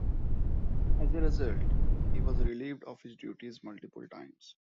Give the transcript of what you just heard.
As a result, he was relieved of his duties multiple times.